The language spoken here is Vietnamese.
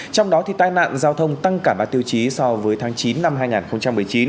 trong đó tai nạn giao thông tăng cả ba tiêu chí so với tháng chín năm hai nghìn một mươi chín